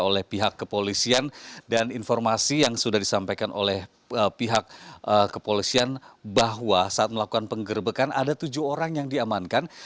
oleh pihak kepolisian dan informasi yang sudah disampaikan oleh pihak kepolisian bahwa saat melakukan penggerbekan ada tujuh orang yang diamankan